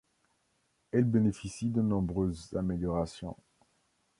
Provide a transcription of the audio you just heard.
Elle bénéficie de nombreuses améliorations.